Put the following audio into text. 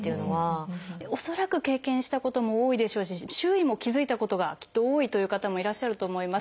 恐らく経験したことも多いでしょうし周囲も気付いたことがきっと多いという方もいらっしゃると思います。